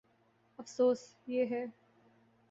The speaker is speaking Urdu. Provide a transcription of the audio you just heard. افسوس، یہ ہے۔